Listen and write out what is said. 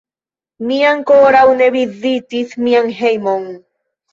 Mi ankoraŭ ne vizitis mian hejmon.